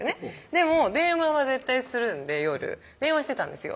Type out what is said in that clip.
でも電話は絶対するんで夜電話してたんですよ